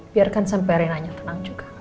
biarkan sampai arenanya tenang juga